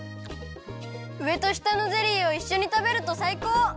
うえとしたのゼリーをいっしょにたべるとさいこう！